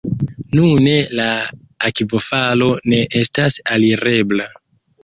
Nune la akvofalo ne estas alirebla.